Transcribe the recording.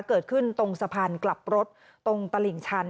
เกิดขึ้นตรงสะพานกลับรถตรงตลิ่งชัน